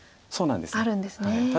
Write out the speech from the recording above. そうなんです。